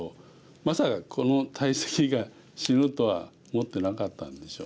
まさかこの大石が死ぬとは思ってなかったんでしょうね。